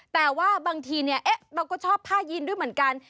แต่ว่าบางทีเราก็ชอบผ้ายีนด้วยเหมือนกัน